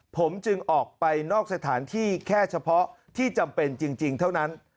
ผมจึงออกไปนอกสถานที่แค่เฉพาะที่จำเป็นจริงเท่านั้น